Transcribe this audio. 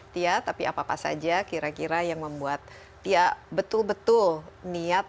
tia tapi apa apa saja kira kira yang membuat tia betul betul niat